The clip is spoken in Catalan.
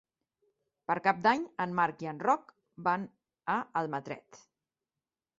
Per Cap d'Any en Marc i en Roc van a Almatret.